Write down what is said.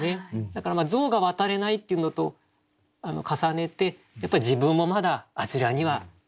だから象が渡れないっていうのと重ねて自分もまだあちらにはいけない。